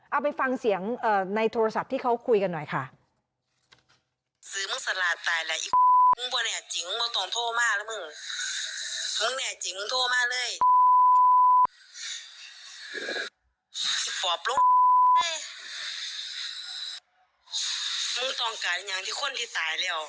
เอาไปฟังเสียงในโทรศัพท์ที่เขาคุยกันหน่อยค่ะ